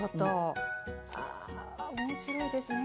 ああ面白いですね